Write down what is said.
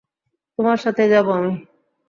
তোমার সাথেই যাব আমি।